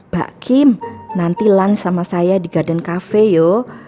mbak kim nanti lan sama saya di garden cafe yuk